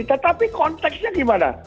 tetapi konteksnya gimana